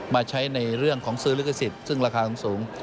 มาใช้ในเรื่องของซื้อลิขสิทธิ์ซึ่งราคาสูง